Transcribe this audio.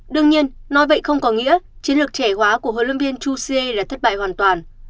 đương nhiên nói vậy không có nghĩa chiến lược trẻ hóa của hội lâm viên chu xie là thất bại hoàn toàn